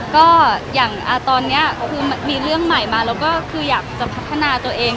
ก็อย่างตอนนี้คือมีเรื่องใหม่มาแล้วก็คืออยากจะพัฒนาตัวเอง